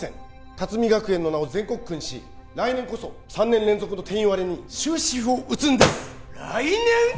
龍海学園の名を全国区にし来年こそ３年連続の定員割れに終止符を打つんです来年？